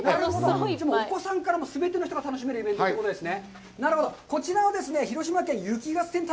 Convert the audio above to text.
お子さんからも、全ての人が楽しめるイベントということですね。